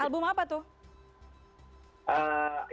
album apa tuh